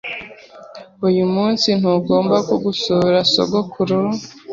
Uyu munsi ntugomba gusura sogokuru.